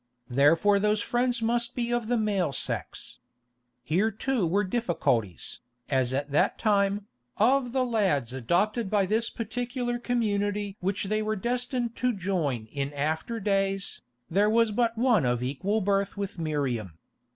Therefore those friends must be of the male sex. Here too were difficulties, as at that time, of the lads adopted by this particular community which they were destined to join in after days, there was but one of equal birth with Miriam.